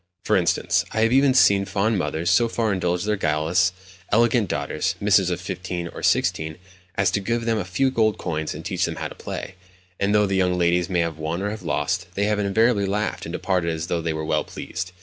For instance, I have seen even fond mothers so far indulge their guileless, elegant daughters—misses of fifteen or sixteen—as to give them a few gold coins and teach them how to play; and though the young ladies may have won or have lost, they have invariably laughed, and departed as though they were well pleased.